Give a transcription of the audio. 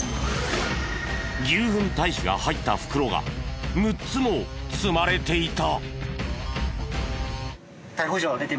牛ふん堆肥が入った袋が６つも積まれていた。